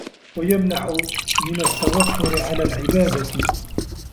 وَيَمْنَعُ مِنْ التَّوَفُّرِ عَلَى الْعِبَادَةِ